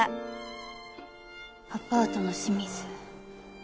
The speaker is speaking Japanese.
「アパートの清水」。